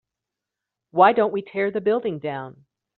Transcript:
why don't we tear the building down?